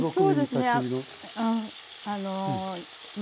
そうですね。